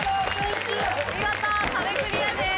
見事壁クリアです。